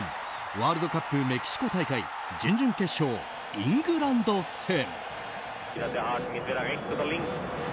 ワールドカップメキシコ大会準々決勝、イングランド戦。